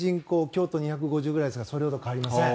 京都が２５０万ぐらいですからそれほど変わりません。